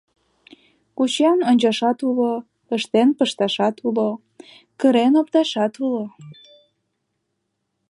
Кучен ончашат уло, ыштен пышташат уло, кырен опташат уло...